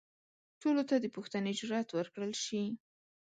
ټولو ته د پوښتنې جرئت ورکړل شي.